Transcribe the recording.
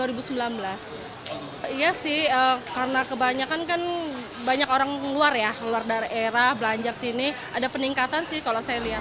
iya sih karena kebanyakan kan banyak orang luar ya keluar daerah belanja ke sini ada peningkatan sih kalau saya lihat